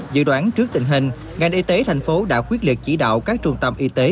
dự đoán trước tình hình ngành y tế thành phố đã quyết liệt chỉ đạo các trung tâm y tế